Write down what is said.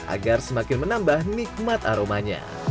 agar semakin menambah nikmat aromanya